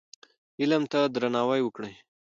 علم ته درناوی وکړئ.